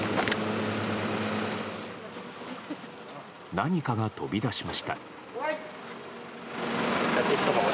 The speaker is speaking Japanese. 何かが飛び出しました。